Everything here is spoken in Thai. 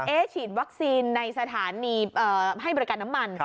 ฉีดวัคซีนในสถานีให้บริการน้ำมัน